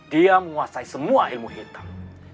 dia menguasai semua ilmu hitam